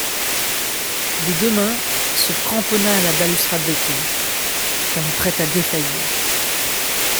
Des deux mains elle se cramponna à la balustrade de pierre, comme prête à défaillir.